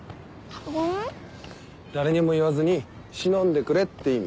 誰にも言わずに忍んでくれって意味。